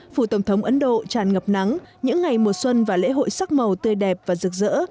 phủ tổng thống ấn độ tràn ngập nắng những ngày mùa xuân và lễ hội sắc màu tươi đẹp và rực rỡ